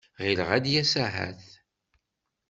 Ɣileɣ ad d-yas ahat.